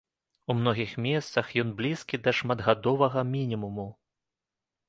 У многіх месцах ён блізкі да шматгадовага мінімуму.